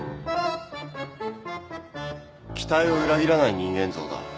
期待を裏切らない人間像だ。